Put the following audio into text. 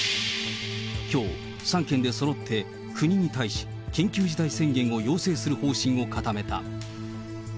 きょう、３県でそろって国に対し、緊急事態宣言を要請する方針を固めた。